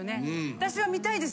私は見たいです。